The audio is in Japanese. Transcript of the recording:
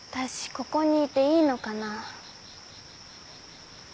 ここにいていいのかな。